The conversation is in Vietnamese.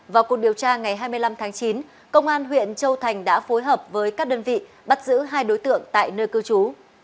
vào cuộc điều tra ngày hai mươi năm tháng chín công an huyện châu thành đã phối hợp với các đơn vị bắt giữ hai đối tượng tại nơi cư trú